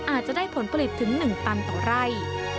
อาจจะได้ผลผลิตถึง๑ตันต่อไร่